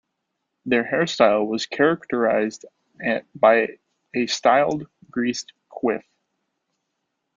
Their hairstyle was characterised by a styled, greased quiff.